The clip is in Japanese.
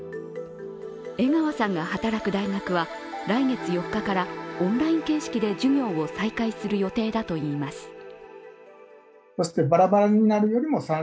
江川さんが働く大学は来月４日からオンライン形式で授業を再開する予定だといいます。